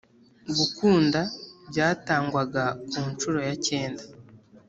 gukunda. Byatangwaga ku nshuro ya cyenda